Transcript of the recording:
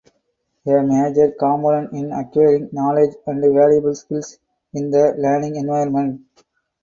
A major component in acquiring knowledge and valuable skills in the learning environment.